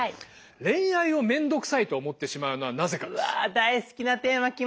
恋愛をめんどくさいと思ってしまうのはなぜかですよ。